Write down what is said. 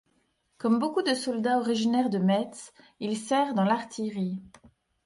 Comme beaucoup de soldats originaires de Metz, il sert dans l'artillerie.